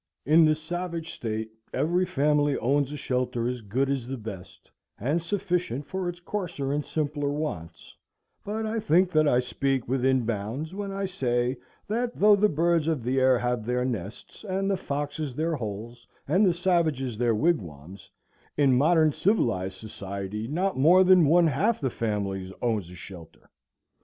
In the savage state every family owns a shelter as good as the best, and sufficient for its coarser and simpler wants; but I think that I speak within bounds when I say that, though the birds of the air have their nests, and the foxes their holes, and the savages their wigwams, in modern civilized society not more than one half the families own a shelter.